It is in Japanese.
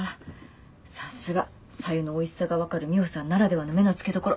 さすが白湯のおいしさが分かるミホさんならではの目の付けどころ。